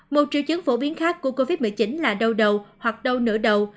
một triệu chứng phổ biến khác của covid một mươi chín là đau đầu hoặc đau nửa đầu